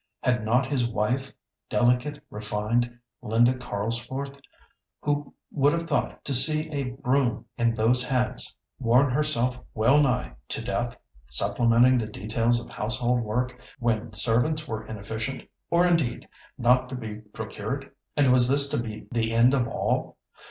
Had not his wife (delicate, refined Linda Carisforth—who would have thought to see a broom in those hands?) worn herself well nigh to death, supplementing the details of household work, when servants were inefficient, or, indeed, not to be procured! And was this to be the end of all?